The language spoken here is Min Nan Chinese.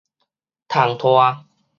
蟲豸